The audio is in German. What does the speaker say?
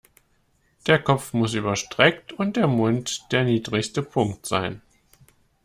Der Kopf muss überstreckt und der Mund der niedrigste Punkt sein.